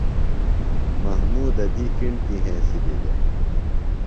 محمودہ دی کݨکیۡ ہنسِلی دےۡ۔